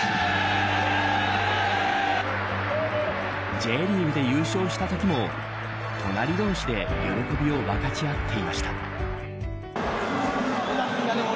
Ｊリーグで優勝したときも隣同士で喜びを分かち合っていました。